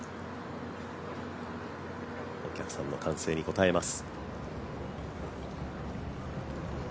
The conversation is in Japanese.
お客さんの歓声に応えます。